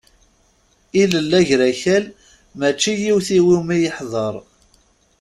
Ilel Agrakal mačči yiwet iwumi yeḥḍer.